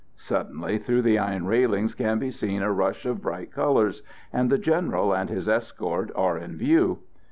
Suddenly through the iron railings can be seen a rush of bright colours, and the General and his escort are in view.